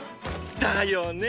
だよね！